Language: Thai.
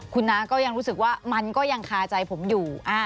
คุณน้าก็ยังรู้สึกว่ามันก็ยังคาใจผมอยู่